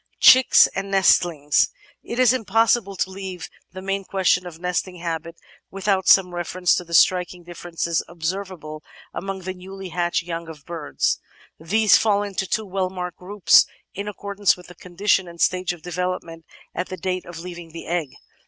Chicks and Nestlings It is impossible to leave the main question of nesting habits without some reference to the striking differences observable among the newly hatched young of birds. These fall into two well marked groups in accordance with the condition and stage of development at the date of leaving the egg.